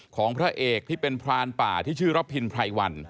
พระเอกที่เป็นพรานป่าที่ชื่อระพินไพรวัน